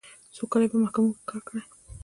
څو کاله یې په محکمو کې کار کړی.